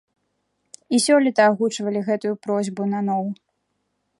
І сёлета агучвалі гэтую просьбу наноў.